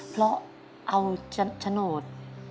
เพราะเอาโฉนด